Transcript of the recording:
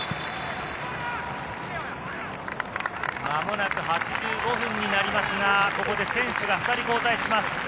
間もなく８５分になりますが、ここで選手が２人交代します。